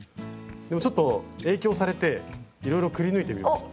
ちょっと影響されていろいろくり抜いてみました。